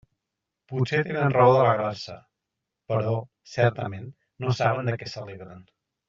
Potser tenen raó d'alegrar-se; però, certament, no saben de què s'alegren.